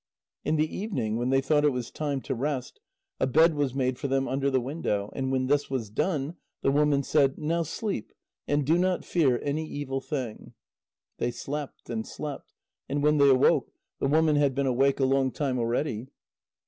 In the evening, when they thought it was time to rest, a bed was made for them under the window, and when this was done the woman said: "Now sleep, and do not fear any evil thing." They slept and slept, and when they awoke, the woman had been awake a long time already.